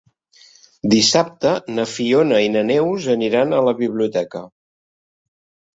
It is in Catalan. Dissabte na Fiona i na Neus aniran a la biblioteca.